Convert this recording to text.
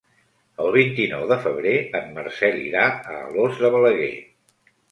El vint-i-nou de febrer en Marcel irà a Alòs de Balaguer.